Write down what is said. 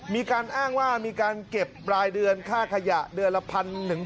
มีการอ้างว่ามีการเก็บรายเดือนค่าขยะเดือนละ๑๑๐๐